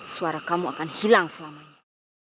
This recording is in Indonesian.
suara kamu akan hilang selamanya